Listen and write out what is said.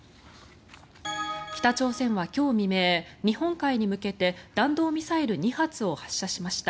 北朝鮮は今日未明日本海に向けて弾道ミサイル２発を発射しました。